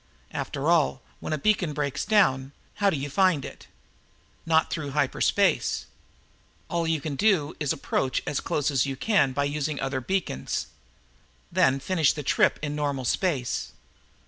After all, when a beacon breaks down, how do you find it? Not through hyperspace. All you can do is approach as close as you can by using other beacons, then finish the trip in normal space.